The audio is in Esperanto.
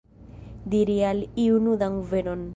Diri al iu nudan veron.